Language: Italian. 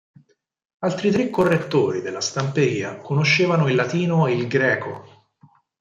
Altri tre correttori della stamperia conoscevano il latino e il greco.